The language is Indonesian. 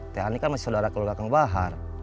teh ani kan masih saudara keluarga kang bahar